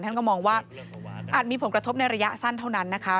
ท่านก็มองว่าอาจมีผลกระทบในระยะสั้นเท่านั้นนะคะ